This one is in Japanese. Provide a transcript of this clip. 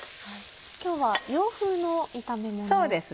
今日は洋風の炒めもの。